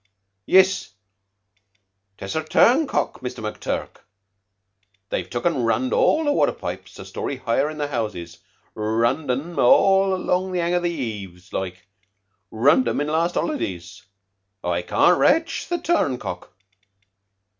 Yiss, 'tess a turncock, Muster McTurk. They've took an' runned all the watter pipes a storey higher in the houses runned 'em all along under the 'ang of the heaves, like. Runned 'em in last holidays. I can't rache the turncock."